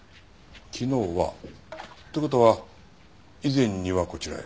「昨日は」という事は以前にはこちらへ？